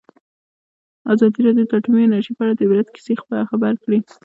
ازادي راډیو د اټومي انرژي په اړه د عبرت کیسې خبر کړي.